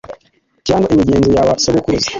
cyangwa imigenzo ya ba sogokuruza,